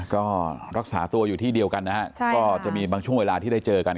ก็รักษาตัวอยู่ที่เดียวกันนะฮะก็จะมีบางช่วงเวลาที่ได้เจอกัน